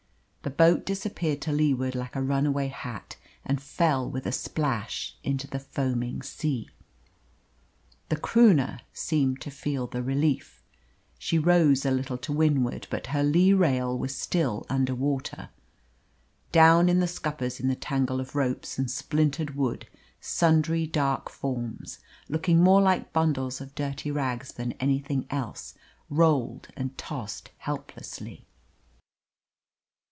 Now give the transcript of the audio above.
The boat disappeared to leeward like a runaway hat, and fell with a splash into the foaming sea. The Croonah seemed to feel the relief. She rose a little to windward, but her lee rail was still under water. Down in the scuppers, in the tangle of ropes and splintered wood, sundry dark forms, looking more like bundles of dirty rags than anything else, rolled and tossed helplessly.